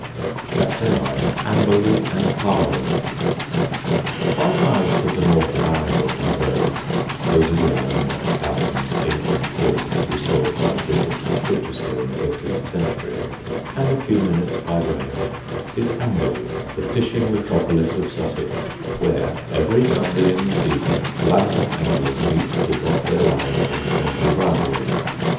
[Sidenote: SUSSEX FISH] Five miles to the north of Arundel by road (over the Arun at Houghton's ancient bridge, restored by the bishops of Chichester in the fifteenth century), and a few minutes by rail, is Amberley, the fishing metropolis of Sussex, where, every Sunday in the season, London anglers meet to drop their lines in friendly rivalry.